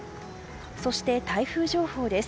そして台風情報です。